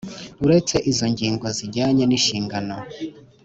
Uretse izo ngingo zijyanye n'inshingano